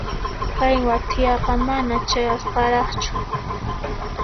Kay wathiaqa mana chayasqaraqchu.